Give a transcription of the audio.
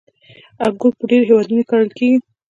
• انګور په ډېرو هېوادونو کې کرل کېږي.